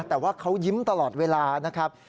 แต่ว่าเขายิ้มตลอดเวลานะครับ